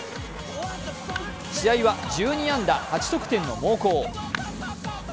試合は１２安打８得点の猛攻。